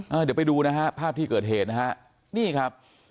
เดี๋ยวไปดูภาพที่เกิดเหตุนะฮะ